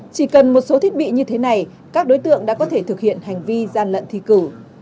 chỉ cần một số thiết bị như thế này các đối tượng đã có thể thực hiện hành vi gian lận thi cử